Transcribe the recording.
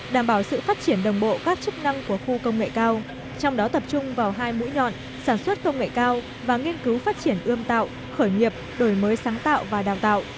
đảm bảo sự phát triển đồng bộ các chức năng của khu công nghệ cao trong đó tập trung vào hai mũi nhọn sản xuất công nghệ cao và nghiên cứu phát triển ươm tạo khởi nghiệp đổi mới sáng tạo và đào tạo